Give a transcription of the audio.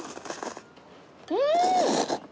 うん！